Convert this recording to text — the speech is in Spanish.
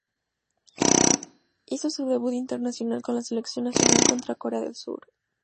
Hizo su debut internacional con la selección nacional contra Corea del Sur.